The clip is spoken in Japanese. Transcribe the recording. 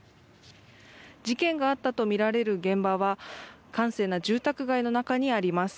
事件があったとみられる現場は閑静な住宅街の中にあります。